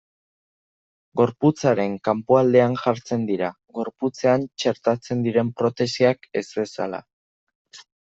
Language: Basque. Gorputzaren kanpoaldean jartzen dira, gorputzean txertatzen diren protesiak ez bezala.